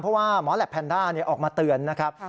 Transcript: เพราะว่าหมอแหลปแพนด้าออกมาเตือนนะครับ